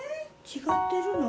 違ってるの？